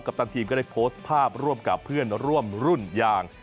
ปตันทีมก็ได้โพสต์ภาพร่วมกับเพื่อนร่วมรุ่นอย่าง